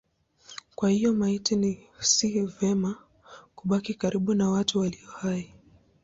Kwa hiyo maiti si vema kubaki karibu na watu walio hai.